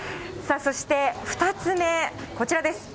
そして、２つ目、こちらです。